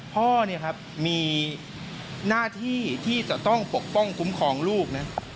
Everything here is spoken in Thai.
พ่อมีหน้าที่ที่จะต้องปกป้องคุ้มครองลูก